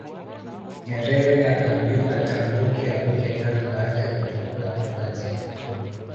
Nyerere akaambiwa atambuke aruke damu baada ya kutokula kutwa nzima